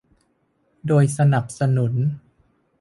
โดยสนับสนุน